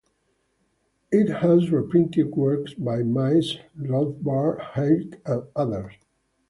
It has reprinted works by Mises, Rothbard, Hayek, and others.